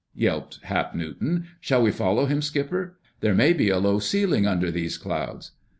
yelped Hap Newton. "Shall we follow him, Skipper? There may be a low ceiling under these clouds."